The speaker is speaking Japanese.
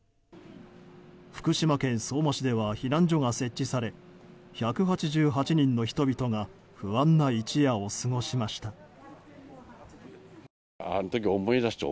福島県相馬市では避難所が設置され１８８人の人々が不安な一夜を過ごしました。